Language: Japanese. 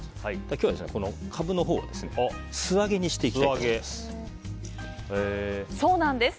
今日はカブのほうを素揚げにしていきたいと思います。